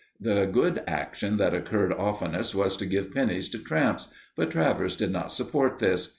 The good action that occurred oftenest was to give pennies to tramps, but Travers did not support this.